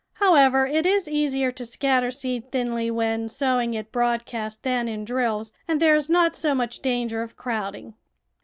How ever, it is easier to scatter seed thinly when sowing it broadcast than in drills, and there is not so much danger of crowding.